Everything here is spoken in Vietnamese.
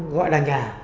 gọi là nhà